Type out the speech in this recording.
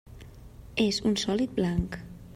És un sòlid blanc.